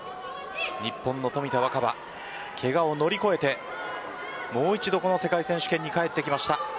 日本の冨田若春けがを乗り越えてもう一度この世界選手権に帰ってきました。